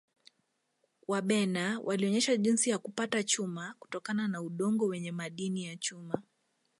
wabena walionesha jinsi ya kupata chuma kutokana na udongo wenye madini ya chuma